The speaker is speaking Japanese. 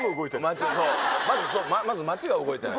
そうまずそう街が動いてない。